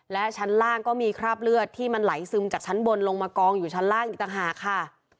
และชั้นล่างก็มีคราบเลือดที่มันไหลซึมจากชั้นบนลงมากองอยู่ชั้นล่างอีกต่างหากค่ะ